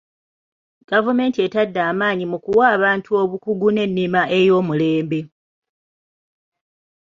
Gavumenti etadde amaanyi mu kuwa abantu obukugu n'ennima ey'omulembe.